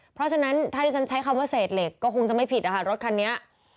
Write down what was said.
เพราะฉะนั้นถ้าที่ฉันใช้คำว่าเศษเหล็กก็คงจะไม่ผิดนะคะรถคันนี้